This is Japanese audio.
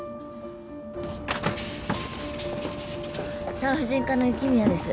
産婦人科の雪宮です。